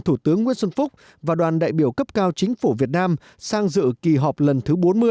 thủ tướng nguyễn xuân phúc và đoàn đại biểu cấp cao chính phủ việt nam sang dự kỳ họp lần thứ bốn mươi